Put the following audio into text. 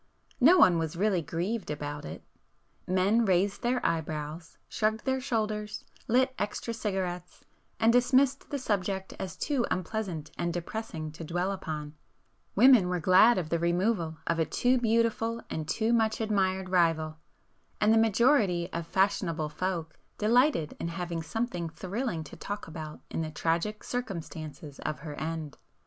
No one was really grieved about it,—men raised their eyebrows, shrugged their shoulders, lit extra cigarettes and dismissed the subject as too unpleasant and depressing to dwell upon,—women were glad of the removal of a too beautiful and too much admired rival, and the majority of fashionable folk delighted in having something "thrilling" to talk about in the tragic circumstances of her end.